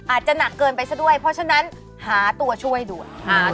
อาจจะหนักเกินไปซะด้วยเพราะฉะนั้นหาตัวช่วยด่วน